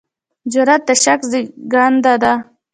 جرئت د شک زېږنده دی.